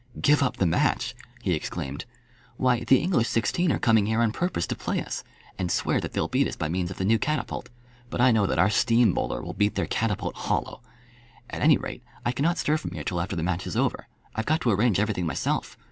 "Give up the match!" he exclaimed. "Why, the English sixteen are coming here on purpose to play us, and swear that they'll beat us by means of the new catapult. But I know that our steam bowler will beat their catapult hollow. At any rate I cannot stir from here till after the match is over. I've got to arrange everything myself.